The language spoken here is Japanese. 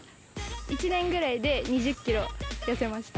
１年ぐらいで２０キロ痩せました。